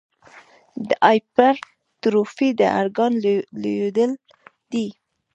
د هایپرټروفي د ارګان لویېدل دي.